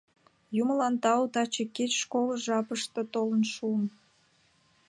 Юмылан тау, таче кеч школыш жапыште толын шуым.